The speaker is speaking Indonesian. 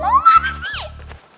mau mana sih